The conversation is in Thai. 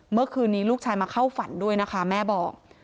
เมื่อคืนนี้ลูกชายมาเข้าฝันด้วยนะคะแม่บอก